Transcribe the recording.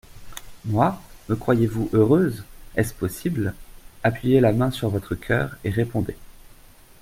Moi ? Me croyez-vous heureuse ? est-ce possible ? Appuyez la main sur votre coeur, et répondez.